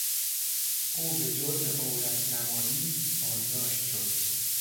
او به جرم عورت نمایی بازداشت شد.